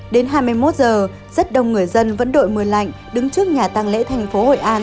đến hai mươi một giờ rất đông người dân vẫn đội mưa lạnh đứng trước nhà tăng lễ thành phố hội an